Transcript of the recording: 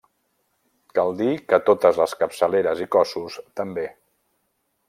Cal dir que totes les capçaleres i cossos també.